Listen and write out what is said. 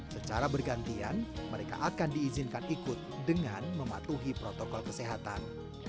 secara bergantian mereka akan diizinkan ikut dengan mematuhi protokol kesehatan